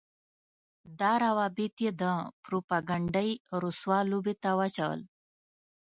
دا روابط يې د پروپاګنډۍ رسوا لوبې ته واچول.